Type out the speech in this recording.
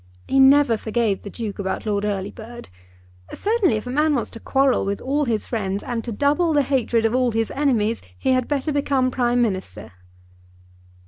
He never forgave the Duke about Lord Earlybird. Certainly, if a man wants to quarrel with all his friends, and to double the hatred of all his enemies, he had better become Prime Minister."